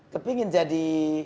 tapi ingin jadi